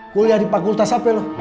kuliah di fakultas apa loh